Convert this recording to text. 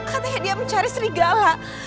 katanya dia mencari serigala